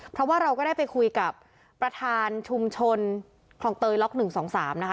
เพราะว่าเราก็ได้ไปคุยกับประธานชุมชนคลองเตยล็อก๑๒๓นะคะ